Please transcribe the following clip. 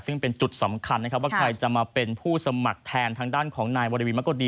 ซึ่งเป็นจุดสำคัญนะครับว่าใครจะมาเป็นผู้สมัครแทนทางด้านของนายวรวีมะกุดี